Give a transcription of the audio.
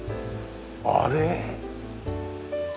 あれ？